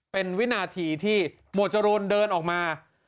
เป็นวินาทีที่หมวดจรูนเดินออกมา